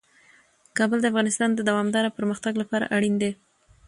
کابل د افغانستان د دوامداره پرمختګ لپاره اړین دي.